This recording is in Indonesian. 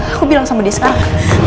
aku bilang sama dia sekarang